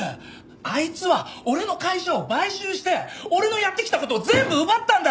あいつは俺の会社を買収して俺のやってきた事を全部奪ったんだ！